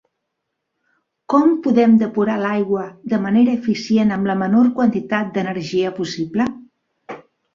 Com podem depurar l'aigua de manera eficient amb la menor quantitat d'energia possible?